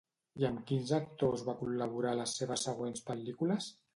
I amb quins actors va col·laborar a les seves següents pel·lícules?